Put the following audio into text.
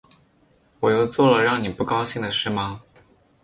我又做了让你不高兴的事吗